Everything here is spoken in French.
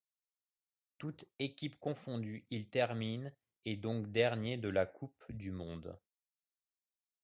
Toutes équipes confondues, ils terminent et donc derniers de la Coupe du monde.